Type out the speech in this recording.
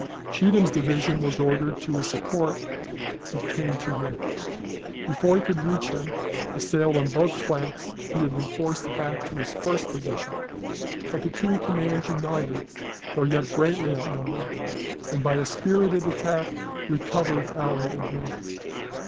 Cheatham's division was ordered to his support; it came too late. Before it could reach him, assailed on both flanks, he had been forced back to his first position, but the two commands united, though yet greatly outnumbered, and, by a spirited attack, recovered our advantage.